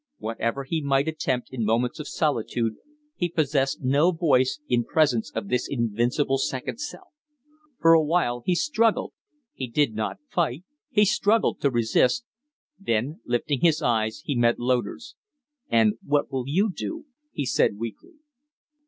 Whatever he might attempt in moments of solitude, he possessed no voice in presence of this invincible second self. For a while he struggled he did not fight, he struggled to resist then, lifting his eyes, he met Loder's. "And what will you do?" he said, weakly.